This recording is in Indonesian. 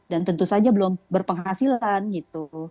dan tentu saja belum berpenghasilan gitu